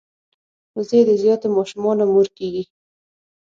وزې د زیاتو ماشومانو مور کیږي